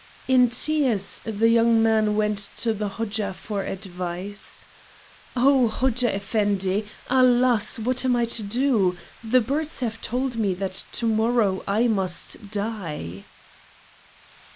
In tears the young man went to the Hodja for advice. "Oh Hodja Effendi! Alas! What am I to do? The birds have told me that to morrow I must die."